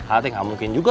atau teh gak mungkin juga